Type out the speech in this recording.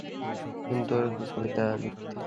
সুন্দর দেখে একটা কবিতা লিখে তাকে প্রপোজ করো।